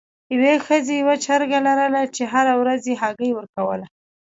یوې ښځې یوه چرګه لرله چې هره ورځ یې هګۍ ورکوله.